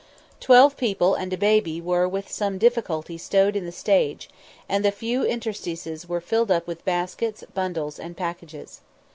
Twelve people and a baby were with some difficulty stowed in the stage, and the few interstices were filled up with baskets, bundles, and packages.